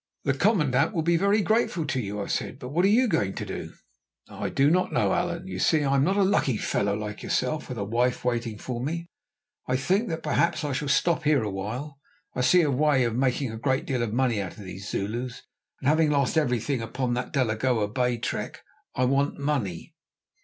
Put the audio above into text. "The commandant will be very grateful to you," I said. "But what are you going to do?" "I do not know, Allan. You see, I am not a lucky fellow like yourself with a wife waiting for me. I think that perhaps I shall stop here a while. I see a way of making a great deal of money out of these Zulus; and having lost everything upon that Delagoa Bay trek, I want money."